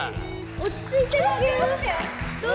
落ちついて投げよう。